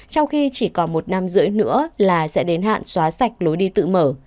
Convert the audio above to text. trong khi chỉ còn một năm rưỡi nữa là sẽ đến hạn xóa sạch lối đi tự mở